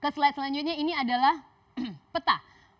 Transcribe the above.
selanjutnya ini adalah peta